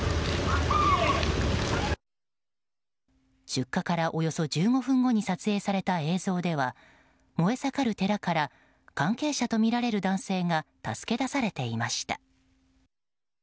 出火から、およそ１５分後に撮影された映像では燃え盛る寺から関係者とみられる男性が助け出されていました。